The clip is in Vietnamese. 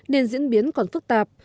nên diễn biến còn phức tạp